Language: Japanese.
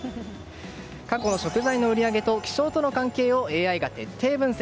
過去の食材の売り上げと気象との関係をＡＩが徹底分析。